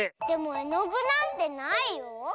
でもえのぐなんてないよ。